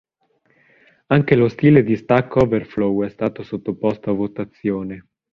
Anche lo stile di Stack Overflow è stato sottoposto a votazione.